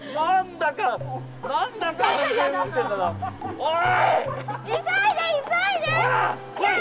おい！